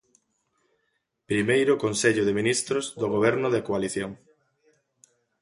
Primeiro Consello de Ministros do Goberno de coalición.